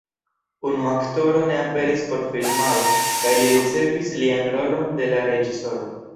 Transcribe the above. Unu aktoro ne aperis por filmado kaj li ricevis lian rolon de la reĝisoro.